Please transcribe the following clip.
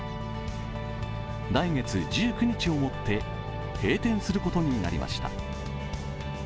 来月１９日をもって閉店することになりました。